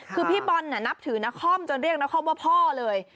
คือพี่บอลนับถือนครจนเรียกนครว่าพ่อเลย